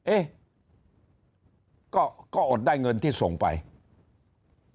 เอ๊ะก็อดได้เงินที่ส่งไปนะครับ